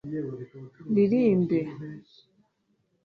ririmbe